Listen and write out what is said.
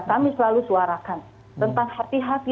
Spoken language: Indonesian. kami selalu suarakan tentang hati hati